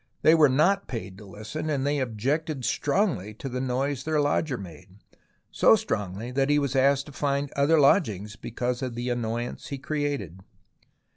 They were not paid to listen, and they objected strongly to the noise their lodger made, so strongly that he was asked to find other lodgings because of the annoyance he created.